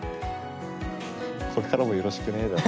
これからもよろしくねだよ